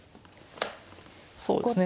そうですね。